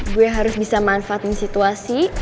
gue harus bisa manfaatin situasi